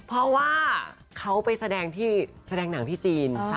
เพราะว่าเขาไปแสดงนางที่จีน